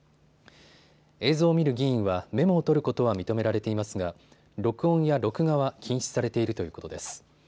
映像を見る議員はメモを取ることは認められていますが録音や録画は禁止されているということです。